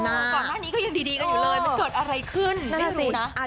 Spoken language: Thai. ก่อนหน้านี้ก็ยังดีกันอยู่เลยมันเกิดอะไรขึ้นไม่รู้นะ